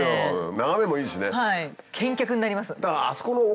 眺めもいいしね。